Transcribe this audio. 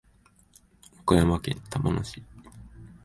岡山県玉野市